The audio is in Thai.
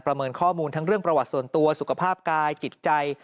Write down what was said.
เมินข้อมูลทั้งเรื่องประวัติส่วนตัวสุขภาพกายจิตใจ